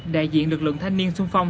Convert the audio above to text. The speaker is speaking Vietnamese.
đại diện lực lượng thanh niên xuân phong